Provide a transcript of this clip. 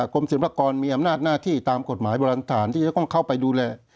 กรมศิลปากรมีอำนาจหน้าที่ตามกฎหมายโบราณฐานที่จะต้องเข้าไปดูแล